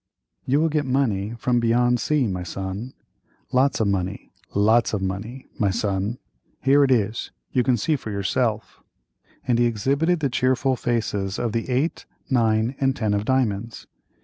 "You will get money from beyond sea, my son—lots of money, lots of money, my son—here it is, you can see for yourself," and he exhibited the cheerful faces of the eight, nine, and ten of diamonds.